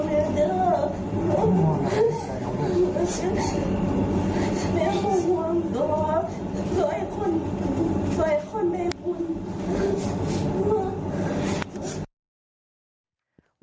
ไม่หวง